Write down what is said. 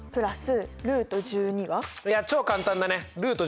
いや超簡単だね。